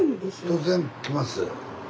突然来ます。